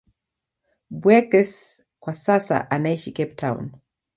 Beukes kwa sasa anaishi Cape Town.